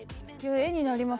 画になります